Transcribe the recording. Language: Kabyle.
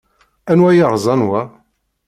Anwa ay yerẓan wa?